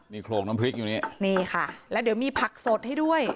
นี่โขลกน้ำพริกอยู่นี่นี่ค่ะแล้วเดี๋ยวมีผักสดให้ด้วย